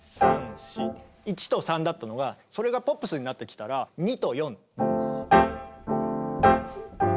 １と３だったのがそれがポップスになってきたら２と４。